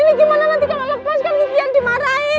ini gimana nanti kalo lepas kan kekian dimarahin